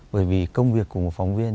bởi vì công việc của một phóng viên